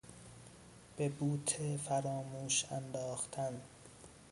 به بوته فراموش انداختن